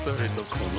この